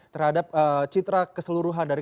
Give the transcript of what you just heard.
terhadap citra keseluruhan dari